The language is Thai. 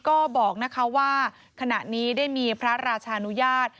ก็บอกนะคะว่าขณะนี้ได้มีพระราชานุญาต